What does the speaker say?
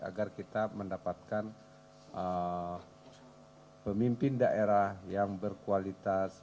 agar kita mendapatkan pemimpin daerah yang berkualitas